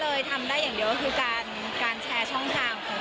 แล้วทำไมไม่มาคุยกับเราก่อน